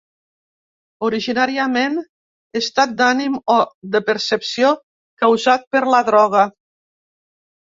Originàriament, estat d'ànim o de percepció causat per la droga.